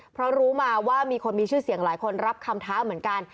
เพราะรู้มาว่ามีคนมีชื่อเสียงหลายคนรับคำท้าเหมือนกัน